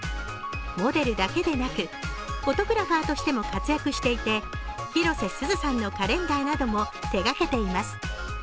モデルだけでなく、フォトグラファーとしても活躍していて広瀬すずさんのカレンダーなども手がけています。